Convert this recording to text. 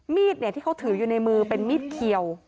มีดที่เขาถืออยู่ในมือเป็นมีดเขียว